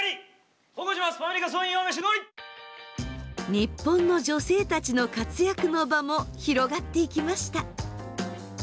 日本の女性たちの活躍の場も広がっていきました。